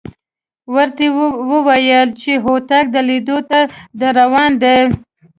ورته وېویل چې هوتک د لیدو ته درروان دی.